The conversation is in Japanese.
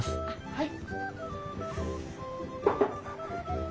はい。